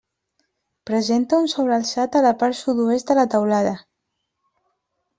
Presenta un sobrealçat a la part sud-oest de la teulada.